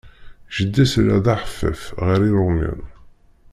Jeddi-s yella d aḥeffaf ɣer Iṛumiyen.